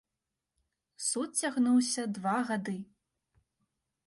Суд цягнуўся два гады.